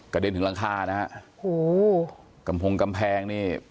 กระเด็นถึงรังคานะฮะโหกำพงกำแพงเนี่ย